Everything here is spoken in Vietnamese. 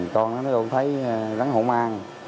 con nó không thấy rắn hổ mang